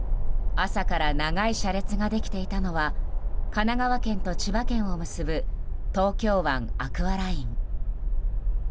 朝から長い車列ができていたのは神奈川県と千葉県を結ぶ東京湾アクアライン。